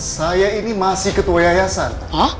saya ini masih ketua yayasan